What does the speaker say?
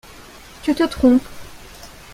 Tu te trompes.